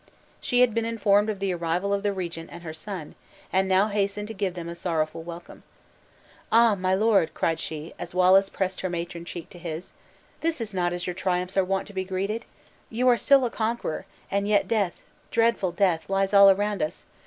She had been informed of the arrival of the regent and her son, and now hastened to give them a sorrowful welcome. "Ah, my lord," cried she, as Wallace pressed her matron cheek to his; "this is not as your triumphs are wont to be greeted! You are still a conqueror, and yet death, dreadful death, lies all around us!